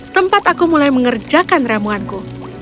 tempat aku mulai mengerjakan ramuanku